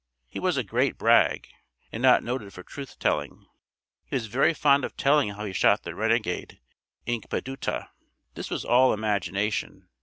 He was a great brag and not noted for truth telling. He was very fond of telling how he shot the renegade Inkpadutah. This was all imagination.